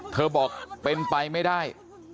เธอบอกเป็นไปไม่ได้